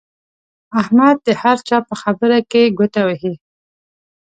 احمد د هر چا په خبره کې ګوته وهي.